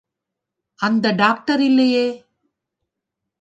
அந்த டாக்டர் இல்லையே!